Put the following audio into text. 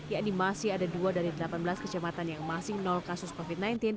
ya di masih ada dua dari delapan belas kejamatan yang masih nol kasus covid sembilan belas